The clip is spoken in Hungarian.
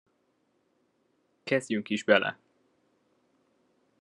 Kezdjünk is bele.